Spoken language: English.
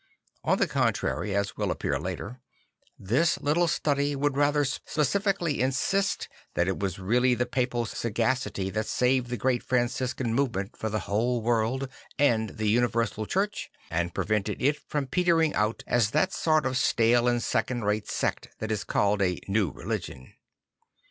On the contrary, as will appear later, this little study would rather specially insist that it was really the papal sagacity that saved the great Franciscan movement for the whole \vorld and the universal Church, and prevented it from petering out as that sort of stale and second rate sect that is called a new religion.